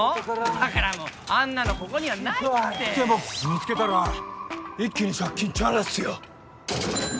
だからもうあんなのここにはないってでも見つけたら一気に借金チャラっすよ